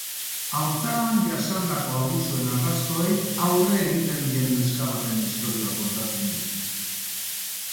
Haurtzaroan jasandako abusuen arrastoei aurre egiten dien neska baten istorioa kontatzen du.